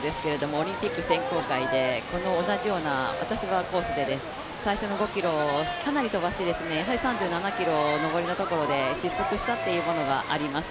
オリンピック選考会で同じような、私は最初の５ｋｍをかなり飛ばして、３７ｋｍ、上りのところで失速したっていうものがあります。